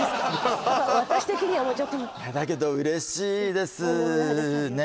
私的にはもうちょっとだけど嬉しいですねえ